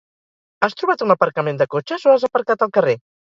Has trobat un aparcament de cotxes, o has aparcat al carrer?